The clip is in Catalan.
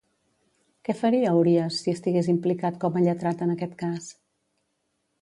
Què faria Urías si estigués implicat com a lletrat en aquest cas?